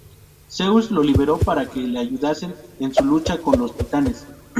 Zeus los liberó para que le ayudasen en su lucha con los Titanes.